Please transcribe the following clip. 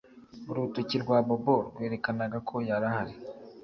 Urutoki rwa Bobo rwerekanaga ko yari ahari